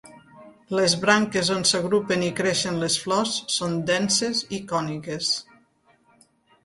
Les branques on s'agrupen i creixen les flors són denses i còniques.